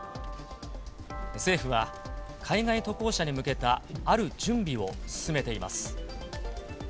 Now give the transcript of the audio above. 政府は、海外渡航者に向けた、ある準備を進めています。